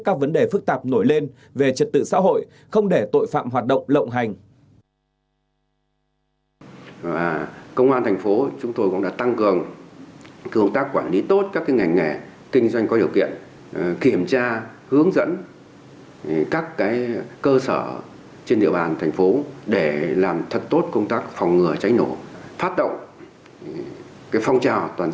các vấn đề phức tạp nổi lên về trật tự xã hội không để tội phạm hoạt động lộng hành